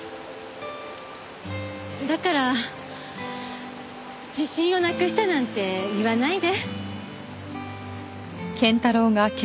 だから自信をなくしたなんて言わないで。